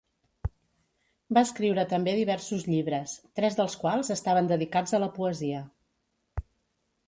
Va escriure també diversos llibres, tres dels quals estaven dedicats a la poesia.